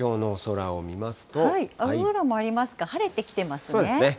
青空もありますか、晴れてきそうですね。